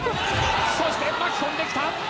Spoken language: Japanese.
そして巻き込んできた！